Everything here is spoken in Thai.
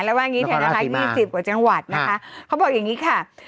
แถมภาระ๒๐กว่าจังหวัดนะคะเขาบอกอย่างนี้ค่ะ